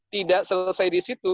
tidak selesai di situ